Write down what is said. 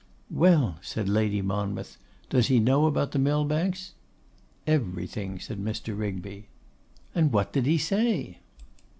'Well,' said Lady Monmouth, 'does he know about the Millbanks?' 'Everything,' said Mr. Rigby. 'And what did he say?